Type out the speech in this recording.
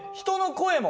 声も？